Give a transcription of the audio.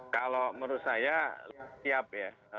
kalau menurut saya siap ya